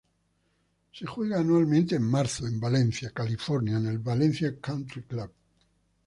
Se juega anualmente en marzo en Valencia, California en el Valencia Country Club.